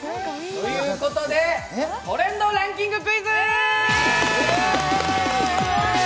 ということで、トレンドランキングクイズ！